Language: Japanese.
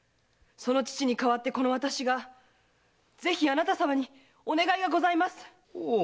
その父に代わってこの私がぜひあなたさまにお願いがございます！